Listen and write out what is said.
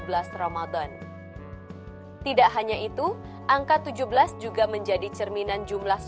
sejust merekominil dengan su inspirasi luar biasa bahwa di akal peristiwa ini bahwa